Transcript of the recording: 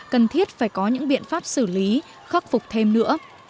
cần thiết phải có những biện pháp xử lý khắc phục thêm nữa